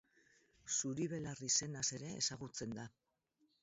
Zuri-belar izenaz ere ezagutzen da.